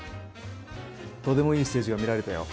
とてもいいステージが見られたよ。